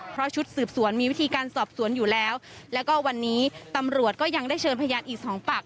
เพราะชุดสืบสวนมีวิธีการสอบสวนอยู่แล้วแล้วก็วันนี้ตำรวจก็ยังได้เชิญพยานอีกสองปาก